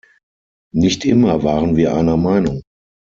Nicht immer waren wir einer Meinung!